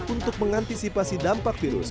untuk mengantisipasi dampak virus